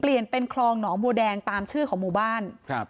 เป็นคลองหนองบัวแดงตามชื่อของหมู่บ้านครับ